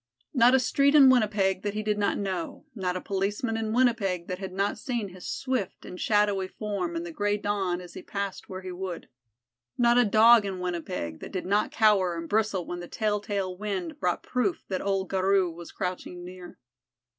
Not a street in Winnipeg that he did not know; not a policeman in Winnipeg that had not seen his swift and shadowy form in the gray dawn as he passed where he would; not a Dog in Winnipeg that did not cower and bristle when the telltale wind brought proof that old Garou was crouching near.